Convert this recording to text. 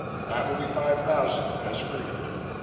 That will be five thousand, as agreed."